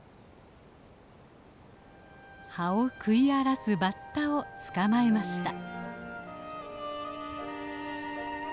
葉を食い荒らすバッタを捕まえました。